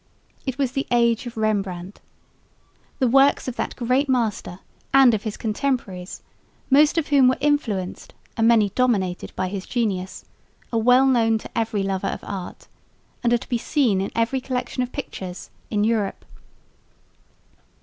It was the age of Rembrandt. The works of that great master and of his contemporaries, most of whom were influenced and many dominated by his genius, are well known to every lover of art, and are to be seen in every collection of pictures in Europe.